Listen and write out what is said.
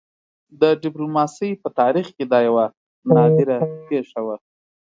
د ډيپلوماسۍ په تاریخ کې دا یوه نادره پېښه وه.